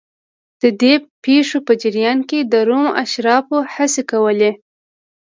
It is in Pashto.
د دې پېښو په جریان کې د روم اشرافو هڅې کولې